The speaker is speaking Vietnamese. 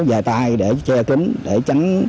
dài tay để che kính để tránh